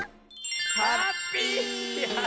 ハッピー！